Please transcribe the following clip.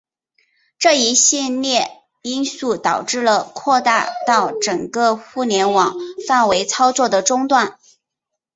这一系列因素导致了扩大到整个互联网范围操作的中断。